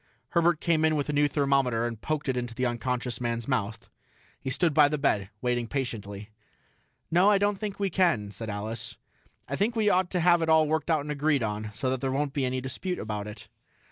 Herbert came in with a new thermometer and poked it into the unconscious man's mouth. He stood by the bed, waiting patiently. "No, I don't think we can," said Alice. "I think we ought to have it all worked out and agreed on, so there won't be any dispute about it."